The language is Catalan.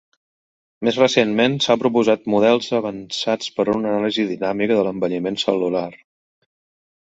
Més recentment, s'han proposat models avançats per a una anàlisi dinàmica de l'envelliment cel·lular.